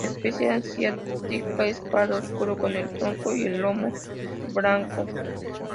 La especie asiática es pardo oscuro con el tronco y el lomo blanco.